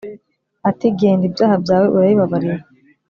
ati genda ibyaha byawe urabibabariwe